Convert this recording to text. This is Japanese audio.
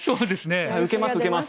受けます受けます。